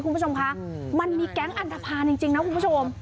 คุณผู้ชมคะมันมีแก๊งอันทภาณจริงนะคุณผู้ชม